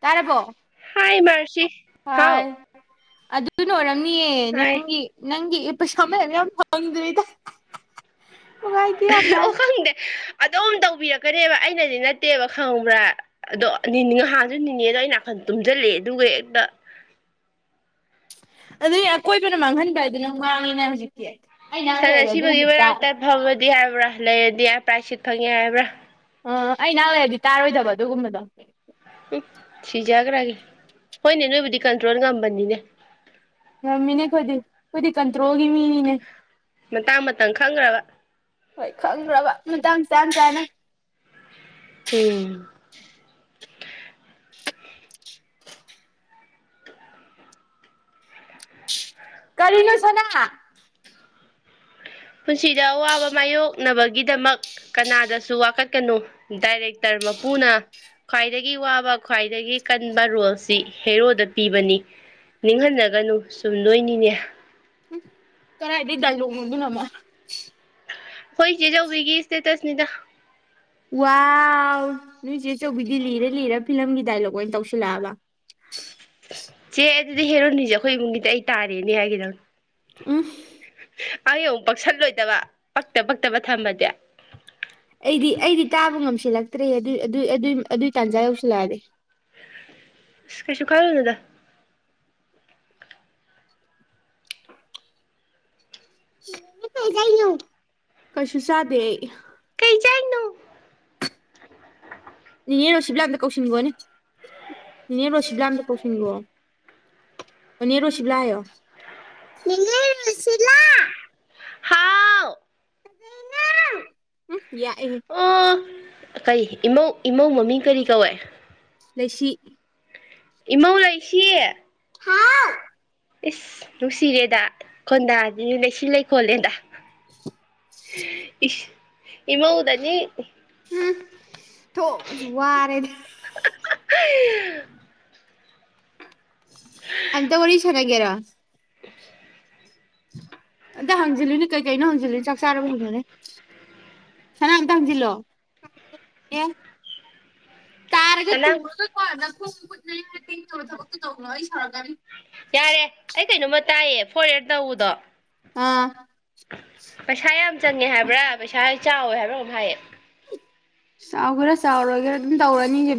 ꯇꯥꯔꯕꯣ꯫ ꯍꯥꯏ ꯃꯥꯔꯁꯤ ꯍꯥꯎ꯫ ꯍꯥꯏ ꯑꯗꯨꯅ ꯑꯣꯏꯔꯝ ꯅꯤꯌꯦ ꯍꯥꯏ ꯅꯪꯒꯤ ꯅꯪꯒꯤ ꯏ ꯄꯩꯁꯥ ꯃꯌꯥꯝ ꯌꯥꯎꯔꯤ [unintelligible] ꯗꯧꯔꯤꯗ ꯑꯣ ꯈꯪꯗꯦ꯫ ꯑꯗꯨꯝ ꯇꯧꯕꯤꯔꯛꯀꯅꯦꯕ ꯑꯩꯅꯗꯤ ꯅꯠꯇꯦꯕ ꯈꯪꯕ꯭ꯔ ꯑꯗꯣ ꯅꯤꯅꯦ ꯍꯥꯅꯖꯨ ꯅꯤꯅꯦꯗꯣ ꯑꯩ ꯅꯥꯀꯟ ꯇꯨꯝꯖꯜꯂꯑꯦ ꯑꯗꯨꯒ ꯍꯦꯛꯇ ꯑꯗꯨꯏ ꯑꯀꯣꯏꯕꯅ ꯃꯥꯡꯍꯟꯕ ꯍꯥꯏꯗꯨꯅꯦ ꯅꯪ ꯃꯥꯡꯉ‌ꯦꯅ‌ꯦ ꯍꯧꯖꯤꯛꯇꯤ꯫ ꯑꯩ ꯅꯍꯥꯛ ꯁꯟ ꯂꯩꯔꯦ ꯑꯁꯤꯕꯒꯤ ꯑꯗꯨꯒꯨꯝꯕꯗꯤ ꯇꯥ ꯃꯅꯥꯥꯛꯛꯇ ꯐꯝꯃꯗꯤ ꯍꯥꯏꯕ꯭ꯔ ꯂꯩꯔꯗꯤ ꯄ꯭ꯔꯥꯏ ꯁꯤꯠ ꯐꯪꯉꯦ ꯍꯥꯏꯕ꯭ꯔ ꯑ ꯑꯩ ꯅꯥꯛ ꯂꯩꯔꯗꯤ ꯇꯥꯔꯣꯏꯗꯧꯕ ꯑꯗꯨꯒꯨꯝꯕꯗꯣ꯫ ꯁꯤꯖꯒ꯭ꯔꯒꯦ ꯍꯣꯏꯅꯦ ꯅꯣꯏꯕꯨꯗꯤ ꯀꯟꯇ꯭ꯔꯣꯜ ꯉꯝꯕꯅꯤꯅꯦ꯫ ꯉꯝꯃꯤꯅꯦ ꯑꯩꯈꯣꯏꯗꯤ ꯑꯩꯈꯣꯏꯗꯤ ꯀꯟꯇ꯭ꯔꯣꯜꯒꯤ ꯃꯤꯅꯤꯅꯦ꯫ ꯃꯇꯥꯡ ꯃꯇꯝ ꯈꯪꯒ꯭ꯔꯕ꯫ ꯍꯣꯏ ꯈꯪꯒ꯭ꯔꯕ ꯃꯇꯥꯡ ꯆꯥꯟ ꯆꯥꯅ꯫ ꯎꯝ꯫ [inaudible] ꯀꯔꯤꯅꯣ ꯁꯅꯥ꯫ ꯄꯨꯟꯁꯤꯗ ꯑꯋꯥꯕ ꯃꯥꯏꯌꯣꯛꯅꯕꯒꯤꯗꯃꯛ ꯀꯅꯥꯗꯁꯨ ꯋꯥꯀꯠꯀꯅꯨ ꯗꯥꯏꯔꯦꯛꯇꯔ ꯃꯄꯨꯅ ꯈ꯭ꯋꯥꯏꯗꯒꯤ ꯋꯥꯕ ꯈ꯭ꯋꯥꯏꯗꯒꯤ ꯀꯟꯕ ꯔꯣꯜꯁꯤ ꯍꯦꯔꯣꯗ ꯄꯤꯕꯅꯤ ꯅꯤꯡꯍꯟꯅꯒꯅꯨ ꯆꯨꯝꯗꯣꯏꯅꯤꯅꯦ꯫ ꯀꯔꯥꯏꯗꯩ ꯗꯥꯏꯂꯣꯛꯅꯣ ꯑꯗꯨꯅ ꯑꯃꯨꯛ꯫ ꯈꯣꯏꯆꯦꯆꯧꯕꯤꯒꯤ ꯏꯁꯇꯦꯇꯁꯅꯤꯗ꯫ ꯋꯥꯎ ꯅꯣꯏ ꯆꯦꯆꯧꯕꯤꯗꯤ ꯂꯤꯔ ꯂꯤꯔ ꯐꯤꯂꯝꯒꯤ ꯗꯥꯏꯂꯣꯛ ꯑꯣꯏꯅ ꯇꯧꯁꯤꯜꯂꯛꯑꯕ꯫ ꯆꯦ ꯑꯗꯨꯗꯤ ꯍꯦꯔꯣꯅꯤꯖꯦ ꯑꯩꯈꯣꯏ ꯏꯃꯨꯡꯒꯤꯗꯤ ꯑꯩ ꯇꯥꯔꯦꯅꯦ ꯍꯥꯏꯒꯤꯗꯧꯅꯤ꯫ [unintelligible] ꯑꯩ ꯑꯃꯨꯛ ꯄꯛꯁꯜꯂꯣꯏꯗꯕ ꯄꯛꯇ ꯄꯛꯇꯕ ꯊꯝꯃꯗꯤ꯫ ꯑꯩꯗꯤ ꯑꯩꯗꯤ ꯇꯥꯕ ꯉꯝꯁꯤꯜꯂꯛꯇ꯭ꯔꯦ ꯑꯗꯨꯏ ꯑꯗꯨꯏ ꯇꯥꯟꯖꯥ ꯌꯧꯁꯤꯜꯂꯛꯑꯗꯤ꯫ ꯀꯩꯁꯨ ꯈꯜꯂꯨꯅꯨꯗ꯫ ꯅ‌ꯦ ꯀꯩ ꯆꯥꯏꯅꯣ ꯀꯁꯨ ꯆꯥꯗꯦ ꯑꯩ꯫ ꯀꯩ ꯆꯥꯏꯅꯣ꯫ ꯅꯦꯅꯦ ꯔꯣꯁꯤꯕꯤꯂ ꯑꯝꯇ ꯀꯧꯁꯤꯟꯒꯣꯅꯦ ꯅꯦꯅꯦ ꯔꯣꯁꯤꯕꯤꯂꯑꯝꯇ ꯀꯧꯁꯤꯟꯒꯣ ꯅꯦꯔꯣꯁꯤꯕꯤꯂ ꯍꯥꯏꯌꯣ ꯅꯦꯅꯦ ꯔꯣꯁꯤꯂꯥ꯫ ꯍꯥꯎ ꯀꯩꯗꯩꯅꫭ ꯑꯝꯄ ꯑꯣ ꯌꯥꯛꯑꯦꯍꯦ ꯀꯩ ꯏ ꯏꯃꯧꯏꯃꯧ ꯃꯃꯤꯡ ꯀꯔꯤ ꯀꯧꯋꯤ꯫ ꯂꯩꯁꯤ꯫ ꯏꯃꯧ ꯂꯩꯁꯤ꯫ ꯍꯥꯥꯎ ꯏꯁ ꯅꯨꯡꯁꯤꯔꯦꯗ ꯈꯣꯟꯗꯥꯖꯤꯗꯤ ꯂꯩꯁꯤ ꯂꯩꯈꯣꯜꯂꯦꯗ ꯏꯁ ꯏꯃꯧꯗꯅꯤ꯫ ꯊꯣꯛꯁꯨ ꯋꯥꯔꯦꯅꯦ ꯑꯗ ꯋꯥꯔꯤꯔꯤ ꯆꯉꯒꯦꯔ ꯑꯝꯇ ꯍꯪꯖꯤꯜꯂꯨꯅꯦ ꯀꯩꯀꯩꯅꯣ ꯍꯪꯖꯤꯜꯂꯨꯅꯤ ꯆꯥꯛ ꯆꯥꯔꯣ ꯍꯣꯡꯂꯨꯅꯦ ꯁꯅꯥ ꯑꯝꯇ ꯍꯪꯖꯤꯜꯂꯣ ꯇꯥꯔꯒ ꯁꯅꯥ ꯇꯨꯔꯗ ꯀꯔꯗ ꯍꯥꯏ ꯊꯕꯛꯇ ꯇꯧꯅ ꯑꯩ ꯁꯔ ꯌꯥꯔꯦ ꯑꯩ ꯀꯩꯅꯣꯝꯃ ꯇꯥꯏꯌꯦ ꯐꯣꯔꯦꯔ ꯇꯎꯗꯣ ꯎꯝ ꯄꯩꯁꯥ ꯌꯥꯝ ꯆꯪꯉꯦ ꯍꯥꯏꯕ꯭ꯔꯥ ꯄꯩꯁꯥ ꯆꯥꯎꯋꯦ ꯍꯥꯏꯕ꯭ꯔꯥ ꯑꯃꯨꯛ ꯍꯥꯏꯌꯦ ꯆꯥꯎ ꯈꯦꯔ ꯆꯥꯎꯔꯣꯏ ꯈꯔ ꯑꯗꯨꯝ ꯇꯧꯔꯅꯤꯁꯦ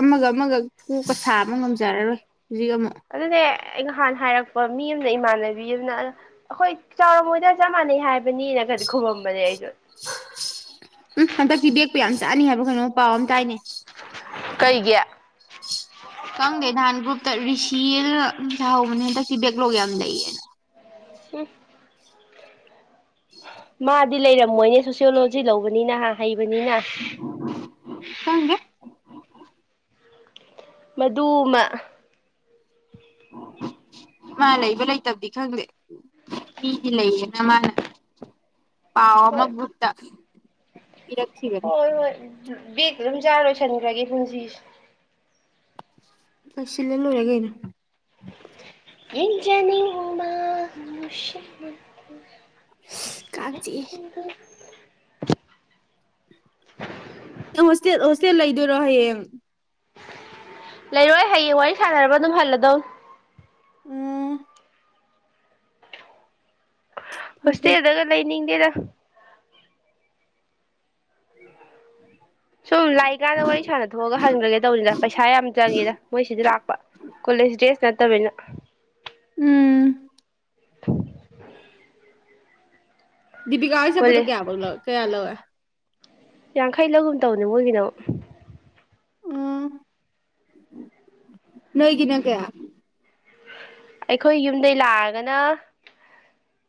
ꯑꯃꯒ ꯑꯃꯒ ꯀꯣꯛꯀ ꯁꯥ ꯑꯃ ꯉꯝꯖꯔꯔꯣꯏ ꯖꯤꯒꯃ ꯑꯗꯨꯅꯦ ꯑꯩ ꯅꯍꯥꯟ ꯍꯥꯏꯔꯛꯄ ꯃꯤ ꯑꯃꯅ ꯏꯃꯥꯟꯅꯕꯤ ꯑꯃꯅ ꯑꯩꯈꯣꯏ ꯆꯥꯎꯔꯝꯃꯣꯏꯗ ꯆꯞ ꯃꯥꯟꯅꯩ ꯍꯥꯏꯕꯅꯤꯅꯒꯗꯤ ꯈꯨꯃꯝꯕꯅꯦ ꯑꯩꯁꯨꯣ ꯎꯝ ꯍꯟꯗꯛꯇꯤ ꯕꯦꯒꯄꯨ ꯌꯥꯝ ꯆꯠꯅꯤ ꯍꯥꯏꯕ ꯀꯩꯅꯣ ꯄꯥꯎ ꯑꯃ ꯇꯥꯏꯅꯦ ꯀꯩꯒꯤ ꯀꯪꯗꯦ ꯙꯥꯟꯒꯨꯨꯞ ꯔꯤꯁꯤꯑꯅ ꯁꯥꯍꯧꯕꯅꯤ ꯍꯟꯗꯛꯁꯤ ꯕꯦꯛꯂꯣꯛ ꯌꯥꯝ ꯂꯩꯌꯦꯅ ꯎꯝ ꯃꯥꯗꯤ ꯂꯩꯔꯝꯃꯣꯏꯅꯦ ꯁꯣꯁꯤꯌꯣꯂꯣꯖꯤ ꯂꯧꯕꯅꯤꯅꯍ ꯍꯩ ꯅꯤꯅ ꯈꯪꯗꯦ ꯃꯗꯨꯃ ꯃꯥ ꯂꯩꯕ ꯂꯩꯇꯕꯗꯤ ꯈꯪꯗꯦ ꯃꯤꯗꯤ ꯂꯩꯌꯦꯅ ꯃꯥꯅ ꯄꯥꯋꯥ ꯑꯃ ꯍꯣꯏ ꯠꯇ ꯍꯣꯏ ꯍꯣꯏ ꯕꯦꯒ ꯑꯗꯨꯝ ꯆꯥꯔꯣꯏꯁꯤꯟꯈ꯭ꯔꯒꯦ ꯄꯨꯟꯁꯤꯁꯦ ꯑꯁꯤꯂ ꯂꯣꯔꯦꯒꯦꯅ ꯌꯦꯟꯖꯅꯤ ꯎ ꯃꯥ꯭ ꯀꯥꯛꯆꯥꯛꯑꯦ ꯍꯣꯁꯇꯦꯜ ꯍꯣꯁꯇꯦꯜ ꯂꯩꯗꯧꯏꯔꯣ ꯍꯌꯦꯡ ꯂꯩꯔꯣꯏ ꯍꯌꯦꯡ ꯋꯥꯔꯤ ꯁꯥꯟꯅꯔꯕ ꯑꯗꯨꯝ ꯍꯜꯂꯗꯧ ꯎꯝ ꯐꯩ ꯐꯩ ꯍꯁꯦꯜꯗꯒ ꯂꯩꯅꯤꯡꯗꯦꯗ ꯎꯝꯝ ꯁꯨꯝ ꯂꯥꯛꯏꯀꯥꯟꯗ ꯋꯥꯔꯤ ꯁꯥꯟꯅ ꯊꯣꯛꯑꯒ ꯍꯟꯈ꯭ꯔꯒꯦ ꯇꯧꯕꯅꯤꯅ ꯄꯩꯁꯥ ꯌꯥꯝ ꯆꯪꯉꯦꯗ ꯃꯣꯏ ꯁꯤꯗꯤ ꯂꯥꯛꯄ ꯀꯣꯂꯦꯖ ꯗ꯭ꯔꯦꯁ ꯠꯇꯕꯅ ꯎꯝ ꯊ ꯄꯤ ꯍꯥꯏꯁꯦꯄꯗꯨ ꯀꯌꯥ ꯀꯌꯥ ꯂꯧꯋꯦ ꯌꯥꯡꯈꯩ ꯂꯧꯒꯨꯝ ꯇꯧꯅꯦ ꯃꯣꯏꯒꯤꯅ ꯎ ꯅꯣꯏꯒꯤꯅꯪ ꯀꯌꯥ ꯑꯩꯈꯣꯏ ꯌꯨꯝꯗꯒꯤ ꯂꯥꯛꯑꯒꯅ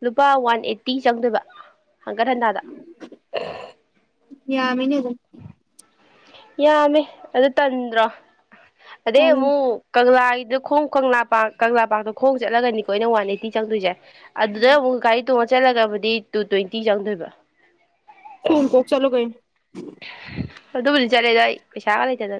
ꯂꯨꯄꯥ ꯋꯥꯟ ꯑꯦꯠꯇꯤ ꯆꯪꯗꯕ ꯍꯪꯒꯠꯍꯟꯗꯥꯗ ꯌꯥꯃꯤꯅꯦꯗ ꯌꯥꯝꯃꯦ ꯑꯗꯨ ꯇꯟꯗ꯭ꯔꯣ ꯑꯗꯦ ꯇꯜꯂꯦ ꯃ ꯀꯒꯂ ꯑꯗꯣ ꯈꯣꯡ ꯀꯪꯂꯥ ꯄꯥ ꯀꯪꯂꯥ ꯄꯥꯇꯣꯣꯡ ꯆꯠꯂꯒꯅꯤꯀꯣ ꯑꯩꯅ ꯋꯥꯟ ꯑꯩꯠꯇꯤ ꯆꯪꯗꯣꯏꯁꯦ ꯑꯗꯨꯗ ꯎ ꯀꯥꯏ ꯇꯣꯡꯉ ꯆꯠꯂꯒꯕꯨꯗꯤ ꯇꯨ ꯇ꯭ꯋꯦꯟꯇꯤ ꯆꯪꯗꯣꯏꯕ ꯍꯣꯡ ꯍꯣ ꯆꯂꯣ ꯀꯥꯏ ꯑꯗꯨꯕꯂꯤ ꯆꯦꯗꯏ ꯄꯩꯁꯥꯕ ꯂꯩ ꯆꯗ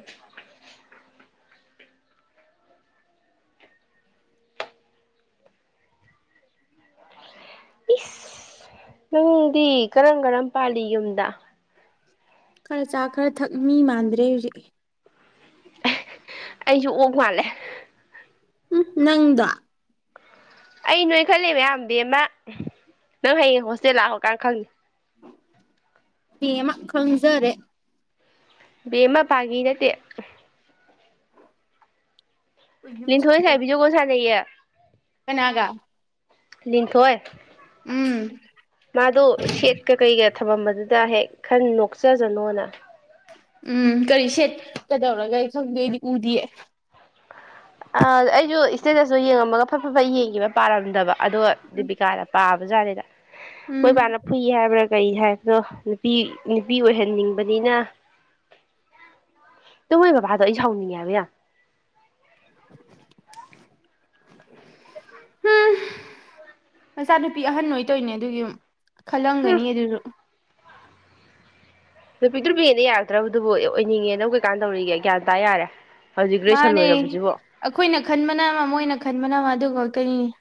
ꯏꯁ ꯅꯪꯗꯤ ꯀꯔꯝ ꯀꯔꯝ ꯄꯥꯜꯂꯤ ꯌꯨꯝꯗ ꯈꯔ ꯆꯥ ꯈꯔ ꯊꯛ ꯃꯤ ꯃꯥꯟꯗ꯭ꯔꯦ ꯍꯧꯖꯤꯛ ꯑꯦ ꯑꯩꯁꯨ ꯑꯣꯛ ꯃꯥꯜꯂꯦ ꯎꯝ ꯅꯪꯗ ꯑꯩ ꯅꯣꯏ ꯈꯜꯂꯦ ꯃꯌꯥꯝꯗꯤꯃ ꯅꯪ ꯍꯌꯦꯡ ꯍꯣꯁꯇꯦꯜ ꯂꯥꯛꯑꯣꯀꯥꯟ ꯈꯪꯉꯦ ꯍ ꯑꯃ ꯈꯪꯖꯔꯦ ꯕꯃꯄꯥꯒꯤ ꯅꯠꯇꯦ ꯂꯤ ꯊꯣꯏꯁꯥꯏ ꯕꯤꯖꯣ ꯀꯣꯟ ꯁꯥ ꯂꯩꯌꯦ ꯅꯥꯒ ꯂꯊꯣꯏ ꯃꯥꯗꯨ ꯁꯦꯠ ꯀ ꯀꯩ ꯀ ꯊꯝꯐꯝꯝ ꯑꯗꯨꯗ ꯍꯦꯛ ꯈꯔ ꯅꯣꯛꯆꯖꯅꯣꯅ ꯎꯝ ꯀꯔꯤ ꯁꯦꯠꯀꯗꯧꯔꯒ ꯑꯩ ꯈꯪꯗꯣꯏꯗꯤ ꯎꯗꯤꯌꯦ ꯑꯥ ꯑꯩ ꯏꯁꯇꯦꯗꯁꯨ ꯌꯦꯡꯉꯃꯒ ꯐ ꯐꯖ ꯌꯦꯡꯈꯤꯕ ꯄꯥꯔꯝꯗꯕ ꯑꯗꯣ ꯗꯤꯕꯤꯀꯥꯅ ꯄꯥꯕ ꯑꯗꯨꯖꯥꯔꯦꯗ ꯎꯝ ꯃꯣꯏꯕꯥꯟꯞ ꯐꯨꯏ ꯍꯥꯏꯦꯕ ꯀꯩ ꯍꯥꯏꯕꯅꯣ ꯅꯨꯄꯤ ꯅꯨꯄꯤ ꯑꯣꯏꯍꯟꯅꯤꯡꯕꯅꯤꯅ ꯇꯣꯏ ꯕꯕꯥꯗꯣ ꯑꯩ ꯁꯥꯎꯅꯤꯡꯉꯦ ꯍꯥꯏꯕ ꯌꯥ ꯎꯝ ꯃꯆꯥꯅꯨꯄꯤ ꯑꯍꯟ ꯑꯣꯏ ꯇꯣꯏꯅꯦ ꯑꯗꯨꯒꯤ ꯑꯃꯨ ꯈꯜꯂꯝꯒꯅꯤ ꯑꯗꯨꯁꯨ ꯅꯨꯄꯤꯗꯨ ꯅꯨꯄꯤꯅ ꯌꯥꯔꯛꯇ꯭ꯔꯕꯗꯨꯕꯨ ꯑꯣꯏꯅꯤꯡꯉꯦ ꯅ ꯀꯩꯀꯥꯟꯅ ꯇꯧꯔꯤꯒꯦ ꯒ꯭ꯌꯥꯟ ꯇꯥ ꯌꯥꯔꯦ ꯍꯧꯖꯤꯛ ꯒ꯭ꯔꯦꯖꯨꯑꯦꯁꯟ ꯃꯥꯅꯦ ꯂꯣꯏꯔꯕꯁꯤꯕꯣ ꯑꯩꯈꯣꯏꯅ ꯈꯟꯕꯅ ꯑꯃ ꯃꯣꯏꯅ ꯈꯟꯕꯅ ꯑꯃꯥ ꯑꯗꯨꯒ [unintelligible]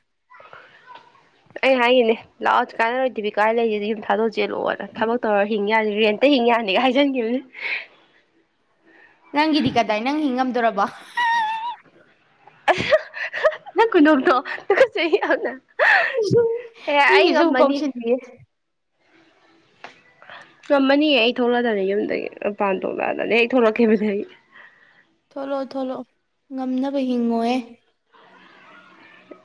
ꯑꯩ ꯍꯥꯏꯒꯅꯦ ꯂꯥꯛꯑꯣ ꯀꯥꯏꯅꯔꯣꯏꯗꯕꯤ ꯀꯥꯏ ꯂꯩꯒꯦꯗꯤꯨꯝ ꯊꯥꯗꯣꯛ ꯆꯦꯜꯂꯣꯑꯣꯅ ꯊꯕꯛ ꯇꯧꯔ ꯍꯤꯡ ꯌꯥ ꯦꯟꯇ ꯍꯤꯡ ꯌꯥꯅꯤꯒ ꯍꯥꯏꯖꯟꯈꯤꯕꯅꯦ ꯅꯪꯒꯤꯗꯤ ꯀꯗꯥꯏ ꯅꯪ ꯍ ꯉꯝꯗꯔꯕ ꯅ ꯀꯅ ꯅꯁꯅ ꯃꯤꯖꯨ ꯃꯤꯒꯤꯖꯨ ꯑꯃꯨꯛ ꯀꯧꯁꯤꯜꯂꯤꯌꯦ ꯉꯝꯃꯅꯤꯌꯦ ꯑꯩ ꯊꯣꯛꯂꯛꯑꯗꯅꯦ ꯌꯨꯝꯗꯒꯤ ꯃꯄꯥꯟ ꯊꯣꯛꯂꯛꯑꯗꯅꯦ ꯑꯩ ꯊꯣꯛꯂꯛꯈꯤꯕꯗꯩ ꯊꯣꯛꯂꯛꯑꯣ ꯊꯣꯂꯛꯑꯣ ꯉꯝꯅꯕ ꯍꯤꯡꯉꯣꯍꯦ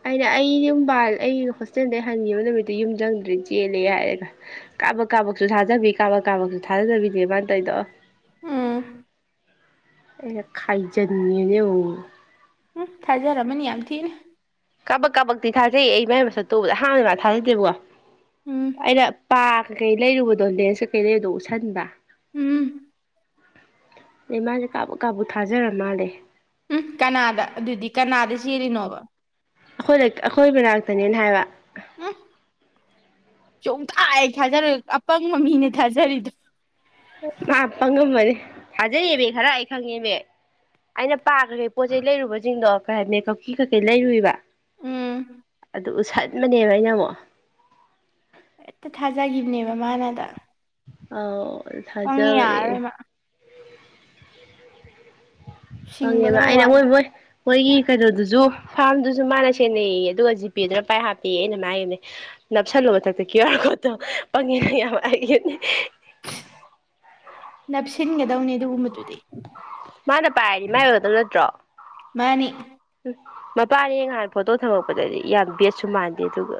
ꯑꯩꯅ ꯑꯩ ꯌꯨꯝ ꯕꯥꯜ ꯑꯩꯩ ꯍꯣꯁꯇꯦꯜꯗꯩ ꯍꯟꯒꯤꯕ ꯅꯨꯃꯤꯠꯇꯨ ꯌꯨꯝ ꯆꯪꯗ꯭ꯔꯤ ꯆꯦꯜꯂꯦ ꯍꯥꯏꯔꯒ ꯀꯥꯕꯛ ꯀꯥꯕꯛꯁꯨ ꯊꯥꯖꯕꯤ ꯀꯥꯕꯛ ꯀꯥꯕꯛꯁꯨ ꯊꯥꯖꯗꯕꯤꯅꯦ ꯃꯥꯅ ꯇꯧꯏꯗꯣ ꯎꯝ ꯑꯩꯅ ꯈꯥꯏꯖꯟꯕꯤꯅꯤ ꯑꯃꯨꯛꯃꯨꯛ ꯎꯝ ꯊꯥꯖꯔꯃꯅꯤ ꯌꯥꯝ ꯊꯤꯅ ꯀꯥꯕꯛ ꯀꯥꯕꯛꯇꯤ ꯊꯥꯖꯩ ꯑꯩ ꯃꯥꯏ ꯃꯁꯛꯇꯣ ꯎꯕꯗ ꯑꯍꯥꯟꯕꯗ ꯃꯥ ꯊꯥꯖꯗꯦꯕꯀꯣ ꯎꯝ ꯑꯩꯩꯅ ꯄꯥ ꯀꯩ ꯀꯩ ꯂꯩꯔꯨꯕꯗꯣ ꯂꯦꯟꯁ ꯀꯩ ꯀꯩ ꯂꯩꯔꯨꯕꯗꯣ ꯎꯠꯁꯟꯕ ꯎꯝ ꯑꯗꯩ ꯃꯥꯖꯦ ꯀꯥꯕꯨꯛ ꯀꯥꯕꯨꯛ ꯊꯥꯖꯔ ꯃꯥꯜꯂꯦ ꯎꯝ ꯀꯅꯥꯗ ꯑꯗꯨꯗꯤ ꯀꯅꯥꯗ ꯆꯦꯜꯂꯤꯅꯣꯕ ꯑꯈꯣꯏ ꯂꯩ ꯑꯈꯣꯏ ꯃꯅꯥꯛꯇꯅꯦꯅ ꯍꯥꯏꯕ ꯎꯝ ꯁꯨꯡꯊꯥ ꯍꯦꯛ ꯊꯥꯖꯔꯣꯏ ꯑꯄꯪꯕ ꯃꯤꯅꯦ ꯊꯥꯖꯔꯤꯗꯣ ꯊꯥꯖꯩꯌꯦꯃꯤ ꯈꯔ ꯑꯩ ꯈꯪꯉꯦꯃꯤ ꯑꯩꯅ ꯄꯥ ꯀꯩ ꯀꯩ ꯄꯣꯠ ꯆꯩꯩ ꯂꯩꯔꯨꯕꯖꯤꯡꯗꯣ ꯀꯩ ꯍꯥꯏ ꯃꯦꯛ ꯀꯞꯀꯤ ꯀꯩ ꯀꯩ ꯂꯩꯔꯨꯏꯕ ꯎꯝ ꯑꯗꯨ ꯎꯠꯁꯟꯕꯅꯦꯕ ꯑꯩꯅ ꯑꯃꯨꯛ ꯍꯦꯛꯇ ꯊꯥꯖꯒꯤꯕꯅꯦꯕ ꯃꯥꯅ ꯑꯗ ꯑꯥꯎ ꯄꯪꯉꯤ ꯌꯥꯔꯔꯣꯏ ꯃꯥ ꯁꯤꯡꯕ ꯄꯪꯉꯦꯕ ꯈꯔ ꯑꯩꯅ ꯃꯣꯏ ꯋꯥꯠꯂꯤ ꯃꯣꯏ ꯃꯣꯏꯒꯤ ꯀꯩꯅꯣꯗꯨꯁꯨ ꯐꯥꯔꯝꯗꯨꯁꯨ ꯃꯥꯅ ꯁꯦꯟꯅꯩꯌꯦ ꯑꯗꯨꯒ ꯖꯤꯄꯦꯗꯨꯅ ꯄꯥꯏ ꯍꯥꯞꯄꯦꯌꯦ ꯑꯩꯅ ꯃꯥꯏ ꯍꯥꯏꯒꯤꯕꯅꯤ ꯅꯞꯁꯜꯂꯨ ꯃꯊꯛꯇ ꯀ꯭ꯌꯨ ꯑꯥꯔ ꯀꯣꯠꯇꯣ ꯄꯪꯉꯦ ꯅꯪ ꯌꯥꯝ ꯍꯥꯏꯒꯤꯕꯅꯤ ꯅꯞꯁꯤꯟꯒꯗꯧꯅꯦ ꯑꯗꯨꯒꯨꯝꯕꯗꯨꯗꯤ ꯃꯥꯅ ꯄꯥꯏꯔꯗꯤ ꯃꯥꯏ ꯑꯣꯏꯒꯗꯕ ꯅꯠꯇ꯭ꯔꯣ ꯃꯥꯅꯤ ꯃꯄꯥꯅꯦꯌꯦ ꯉꯍꯥꯟ ꯐꯣꯇꯣ ꯊꯝꯃꯛꯄꯗꯗꯤ ꯌꯥꯝ ꯕꯦꯠꯁꯨ ꯃꯥꯟꯗꯦ ꯑꯗꯨꯒ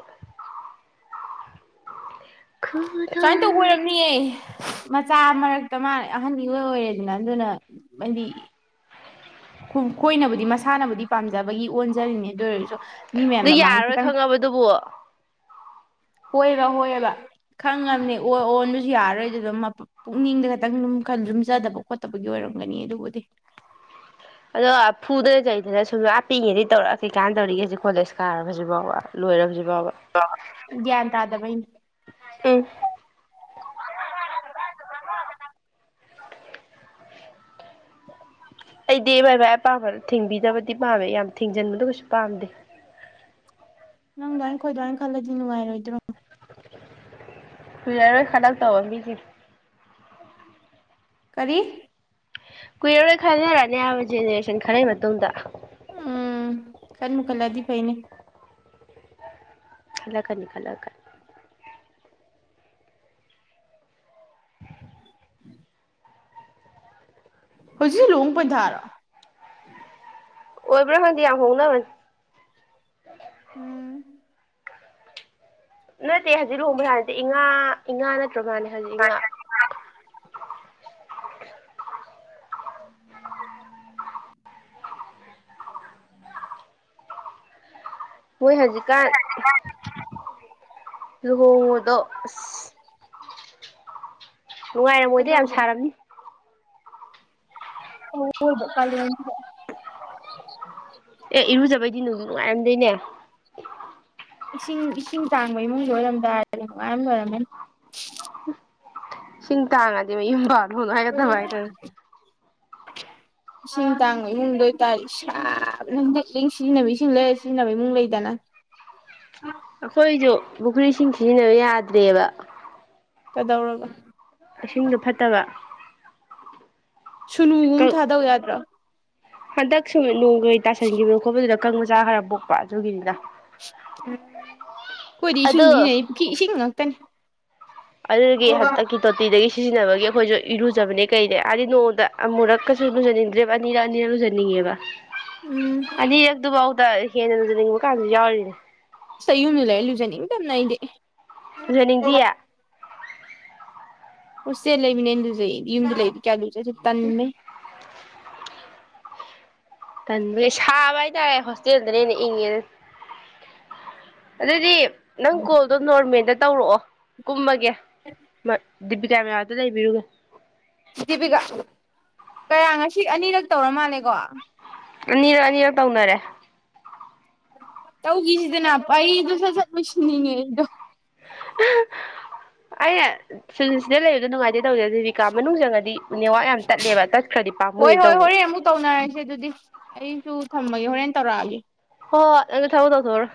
ꯁꯨꯃꯥꯏ ꯇꯧꯕ ꯑꯣꯏꯔꯝꯅꯤꯌꯦ ꯃꯆꯥ ꯃꯔꯛꯇ ꯃꯥꯅ ꯑꯍꯟ ꯏꯑꯣꯏ ꯑꯣꯏꯔꯦꯗꯅ ꯑꯗꯨꯅ ꯍꯥꯏꯗꯤ ꯈꯨꯡ ꯈꯣꯏꯅꯕꯨꯗꯤ ꯃꯁꯥꯅꯕꯨꯗꯤ ꯄꯥꯝꯖꯕꯒꯤ ꯑꯣꯟꯖꯔꯤꯅꯦ ꯑꯗꯨ ꯑꯣꯏꯔꯁꯨ ꯃꯤ ꯃꯌꯥꯝ ꯑꯗꯨ ꯃꯃꯥꯡꯗ ꯌꯥꯔꯔꯣꯏ ꯈꯤꯇꯪ ꯈꯪꯉꯕꯗꯨꯕꯨ ꯍꯣꯏꯕ ꯍꯣꯏꯑꯕ ꯈꯪꯉꯕꯅꯤ ꯑꯣ ꯑꯣꯟꯗꯨꯁꯨ ꯌꯥꯔꯣꯏꯗꯨꯗ ꯃꯄ ꯄꯨꯛꯅꯤꯡꯗ ꯈꯇꯪ ꯂꯨꯝ ꯈꯔ ꯂꯨꯝꯖꯗꯕ ꯈꯣꯠꯇꯕꯒꯤ ꯑꯣꯏꯔꯝꯒꯅꯤ ꯑꯗꯨꯕꯨꯗꯤ ꯑꯗꯣ ꯑꯥ ꯐꯨꯗꯅ ꯆꯩꯗꯅ ꯁꯨꯝ ꯑꯥ ꯄꯤꯛꯏꯉꯩꯗꯩ ꯇꯧꯔꯛꯑ ꯀꯩ ꯀꯥꯟꯅꯗꯣꯔꯤꯒꯦ ꯍꯧꯖꯤꯛ ꯀꯣꯂꯦꯖ ꯀꯥꯔꯕꯖꯤ ꯐꯥꯎꯕ ꯂꯣꯏꯔꯕꯖꯤ ꯒ꯭ꯌꯥꯟ ꯇꯥꯗꯕꯩꯅꯤ ꯂꯧꯁꯤꯟꯕ ꯎꯝ ꯉꯝꯗꯕ ꯑꯩꯗꯤ ꯃꯥꯏ ꯃꯥꯏ ꯑꯄꯥꯝꯕꯗ ꯊꯤꯡꯕꯤꯗꯕꯗꯤ ꯄꯥꯝꯃꯦ ꯌꯥꯝ ꯊꯤꯡꯖꯤꯟꯕꯗ ꯀꯩꯁꯨ ꯄꯥꯝꯗꯦ ꯅꯪꯗꯣꯏ ꯑꯩꯩꯈꯣꯏꯗꯣꯏ ꯈꯜꯂꯗꯤ ꯅꯨꯡꯉꯥꯏꯔꯣꯏꯗ꯭ꯔꯣ ꯀꯨꯏꯔꯔꯣꯏ ꯈꯜꯂꯛꯇꯧꯕ ꯃꯤꯖꯤꯡ ꯀꯔꯤ ꯀꯨꯏꯔꯔꯣꯏ ꯈꯟꯅꯔꯛꯑꯅꯤ ꯍꯥꯏꯕ ꯖꯦꯅꯦꯔꯦꯁꯟ ꯈꯔꯒꯤ ꯃꯇꯨꯡꯗ ꯎꯝ ꯈꯟꯕꯨ ꯈꯜꯂꯛꯑꯗꯤ ꯐꯩꯅꯦ ꯈꯜꯂꯛꯀꯅꯤ ꯈꯜꯂꯛꯀꯅꯤ ꯍꯧꯖꯤꯛ ꯂꯨꯍꯣꯡ ꯄꯥꯟꯊꯥꯔꯣ ꯑꯣꯏꯕ꯭ꯔ ꯍꯗꯤ ꯌꯥꯝ ꯍꯅ ꯎꯝ ꯅꯠꯇꯦ ꯍꯧꯖꯤꯛ ꯂꯨꯍꯣꯡꯕ꯭ꯔꯥꯠꯇꯦ ꯏꯉꯥ ꯏꯥꯅ ꯗ꯭ꯔꯃꯅꯦ ꯍꯧꯖꯤꯛ ꯉꯥ ꯃꯣꯏ ꯍꯧꯖꯤꯛꯀꯥꯟ ꯂꯨꯍꯣꯡꯉꯗꯣ ꯑꯁ [inaudible] ꯅꯨꯡꯉꯥꯏꯔꯝꯃꯣꯏꯗ ꯌꯥꯝ ꯀꯩꯗꯧꯕ ꯁꯥꯔꯝꯅꯤ [inaudible] [unintelligible] [inaudible] ꯏꯔꯨꯖꯕꯩꯗꯤꯅꯅꯨꯡ ꯅꯨꯡꯉꯥꯏꯔꯝꯗꯣꯏꯅꯦ ꯏꯁꯤꯡ ꯏꯁꯤꯡ ꯇꯥꯡꯕ ꯏꯃꯨꯡꯗ ꯑꯣꯏꯔꯝꯗꯥꯔ ꯅꯨꯡꯉꯥꯏꯝ ꯂꯣꯏꯔꯝꯃꯦꯅ ꯁꯤꯡ ꯇꯥꯡꯉꯗꯤ ꯃꯌꯨꯝ ꯍꯅ ꯍꯥꯏꯒꯗꯕꯥꯏꯅ ꯏꯁꯤꯡ ꯇꯥꯡꯕ ꯏꯃꯨꯡꯗ ꯑꯣꯏꯇꯥꯔꯦ ꯏꯁꯅꯟꯗꯤ ꯂ ꯁꯤꯖꯤꯟꯅꯕ ꯏꯁꯤꯡ ꯂꯩꯔ ꯁꯤꯖꯤꯟꯅꯕ ꯏꯃꯨꯡ ꯂꯩꯗꯅ ꯑꯩꯈꯣꯏꯁꯨ ꯄꯨꯈ꯭ꯔꯤꯁꯤꯡ ꯁꯤꯖꯤꯟꯅꯕ ꯌꯥꯗ꯭ꯔꯦꯕ ꯀꯗꯧꯔꯒ ꯏꯁꯤꯡꯗꯣ ꯐꯠꯇꯕ ꯁꯨꯅꯨꯒꯨꯝ ꯊꯥꯗꯧ ꯌꯥꯗ꯭ꯔꯥ ꯑꯗꯁꯨ ꯂꯨ ꯑꯣꯏꯣꯏ ꯇꯣ ꯑꯀꯪ ꯃꯆꯥ ꯈꯔ ꯄꯣꯛꯄ ꯑꯗꯨꯒꯤꯅꯤꯅ ꯑꯩꯈꯣꯏꯗꯤ ꯏꯁꯤꯡ ꯑꯗꯣ ꯁꯤꯖꯤꯟꯅꯩ ꯏꯁꯤꯡ ꯉꯥꯛꯇꯅꯤ ꯑꯗꯨꯗꯒꯤ ꯍꯟꯗꯛꯀꯤ ꯇꯣꯇꯤꯗꯒꯤ ꯁꯤꯖꯤꯟꯅꯕꯒꯤ ꯑꯩꯈꯣꯏꯁꯨ ꯏꯔꯨꯖꯕꯅꯦ ꯀꯩꯗ ꯑꯥꯔꯗꯤ ꯅꯣꯡꯗ ꯑꯃꯨꯔꯛꯀꯁꯨ ꯂꯨꯖꯟꯅꯤꯡꯗ꯭ꯔꯦꯕ ꯑꯅꯤꯔꯛ ꯑꯅꯤꯔ ꯂꯨꯖꯟꯅꯤꯡꯉꯦꯕ ꯎꯝ ꯑ ꯌꯦ ꯕꯥꯥꯎꯗ ꯍꯅꯦ꯭ꯔ ꯅꯤꯡ ꯀꯥꯟꯗ ꯌꯥꯎꯔꯤꯗꯤ ꯁ ꯌꯨꯝꯗ ꯂ ꯂꯩꯔꯂꯨꯖꯅꯤ ꯏ ꯅ ꯏꯗꯤ ꯂꯨꯖꯅꯤꯡꯗꯤꯌꯦ ꯍꯔꯁꯦ ꯂꯩꯕꯤ ꯅ ꯏ ꯂꯩ ꯏ ꯂꯩꯔꯤ ꯀꯌꯥꯒ ꯁ ꯇꯟꯃꯤ ꯇꯟꯕꯩ ꯁꯕꯩ ꯌꯥ ꯍꯣꯁꯇꯗꯅꯦꯅꯦ ꯏꯉꯦꯗ ꯑꯗꯨꯗꯤ ꯅꯪ ꯀꯣꯜꯗꯣ ꯅꯣꯔꯃꯤꯟꯗ ꯇꯧꯔꯛꯑꯣ ꯀꯨꯝꯃꯒꯦ ꯃ ꯄꯀꯥ ꯃ ꯌꯥꯗ ꯂꯩ ꯄꯤꯔꯨꯒ ꯗꯗꯤꯕꯤꯀ ꯀꯌꯥ ꯉꯁꯤ ꯑꯅꯤꯔꯛ ꯇꯧꯔ ꯃꯥꯜꯂꯦꯀꯣ ꯑꯅꯤꯔꯛ ꯑꯅꯤꯔꯛ ꯇꯧꯅꯔꯦ ꯇꯧꯈꯤꯁꯤꯗꯅꯄ ꯑꯩꯗꯣ ꯁꯠ ꯁꯠ ꯂꯣꯏꯁꯤꯟꯅꯤꯡꯉꯦ ꯑꯩꯗꯣ [unintelligible] ꯑꯩ ꯁꯤꯁꯤꯡ ꯁꯤꯗ ꯂꯩꯕ ꯅꯨꯡꯉꯥꯏꯔꯦ ꯇꯧꯗꯦ ꯖꯤꯕꯤꯀꯥ ꯃꯅꯨꯡ ꯆꯪꯉꯗꯤ ꯅꯦꯋꯥꯥꯛ ꯌꯥꯝ ꯇꯠꯂꯦꯕ ꯇꯠꯈ꯭ꯔꯗꯤ ꯍꯣꯏ ꯄꯥꯝꯃꯨꯅ ꯍꯣꯏ ꯇꯧꯋ ꯍꯣꯔꯦꯟ ꯑꯃꯨꯛ ꯇꯧꯅꯔꯁꯦ ꯑꯗꯨꯗꯤ ꯑꯩꯁꯨ ꯊꯝꯃꯒꯦ ꯍꯣꯔꯦꯟ ꯇꯧꯔꯛꯑꯒꯦ ꯍ ꯊꯕꯗꯧ ꯊꯔ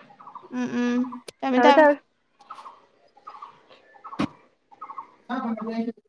ꯎꯝ ꯎꯝ ꯇꯃꯤ ꯇ [inaudible]